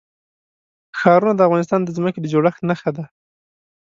ښارونه د افغانستان د ځمکې د جوړښت نښه ده.